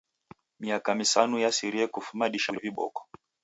Miaka misanu yasirie kufuma dishambulilo ni viboko.